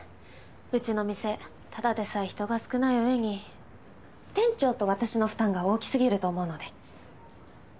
うちの店ただでさえ人が少ない上に店長と私の負担が大き過ぎると思うので。